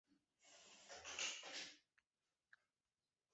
希腊国王为了不得罪罗马而提出通过奥运会来决定谁可以迎娶公主。